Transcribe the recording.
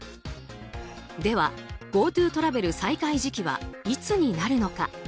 ではＧｏＴｏトラベル再開時期はいつになるのか。